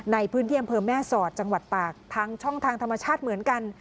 ในพื้นที่อำเภอแม่สอดจังหวัดตากทางช่องทางธรรมชาติเหมือนกัน